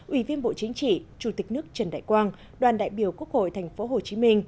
ủy viên bộ chính trị chủ tịch nước trần đại quang đoàn đại biểu quốc hội tp hcm